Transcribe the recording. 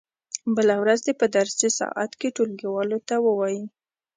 بله ورځ دې په درسي ساعت کې ټولګیوالو ته و وایي.